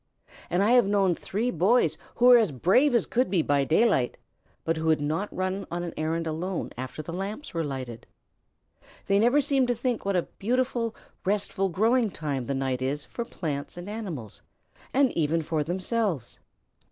And I have known three boys who were as brave as could be by daylight, but who would not run on an errand alone after the lamps were lighted. They never seemed to think what a beautiful, restful, growing time the night is for plants and animals, and even for themselves.